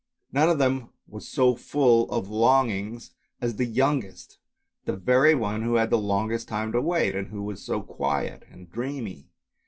None of them was so full of longings as the youngest, the very one who had the longest time to wait, and who was so quiet and dreamy.